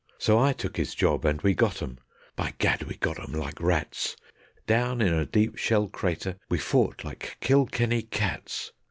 So I took his job and we got 'em. ... By gad! we got 'em like rats; Down in a deep shell crater we fought like Kilkenny cats.